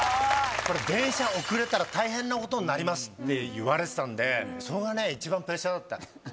「電車遅れたら大変なことになります」って言われてたんでそこがね一番プレッシャーだった。